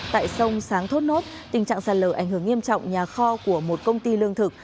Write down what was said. tại sông sáng thốt nốt tình trạng sạt lở ảnh hưởng nghiêm trọng nhà kho của một công ty lương thực